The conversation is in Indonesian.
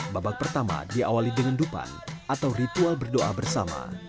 babak pertama diawali dengan dupan atau ritual berdoa bersama